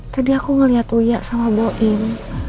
tadi aku ngeliat uya sama boin